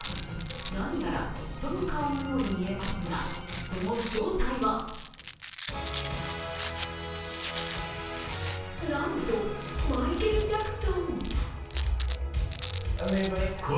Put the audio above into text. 何やら人の顔のように見えますが、その正体はなんと、マイケル・ジャクソン。